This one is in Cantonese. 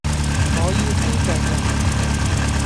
我要燒鵲脷